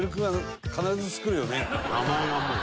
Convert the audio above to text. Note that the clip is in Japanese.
「名前がもう」